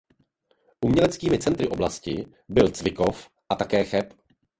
Uměleckými centry oblasti byl Cvikov a také Cheb.